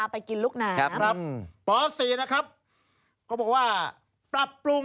ไปกินลูกน้ำนะครับป๔นะครับก็บอกว่าปรับปรุง